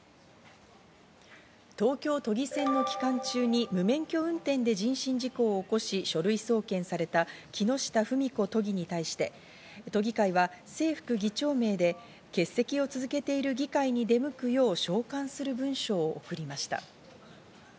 東京都議選の期間中に無免許運転で人身事故を起こし書類送検された木下富美子都議に対して、都議会は正副議長名で欠席を続けている議会に出向くよう召喚する文書を送りました。